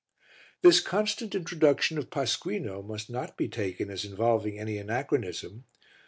This constant introduction of Pasquino must not be taken as involving any anachronism.